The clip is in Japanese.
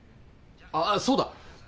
ああそうだ！